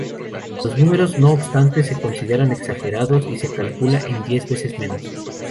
Los números, no obstante, se consideran exagerados y se calcula en diez veces menos.